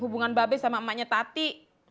hubungan babe sama emaknya tati